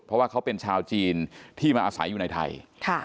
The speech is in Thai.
เพราะว่าเขาเป็นชาวจีนที่มาอาศัยอยู่ในไทย